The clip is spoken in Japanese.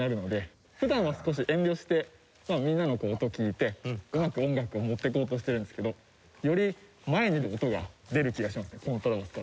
普段は少し遠慮してみんなの音聴いてうまく音楽を持っていこうとしてるんですけどより前に音が出る気がしますねコントラバスから。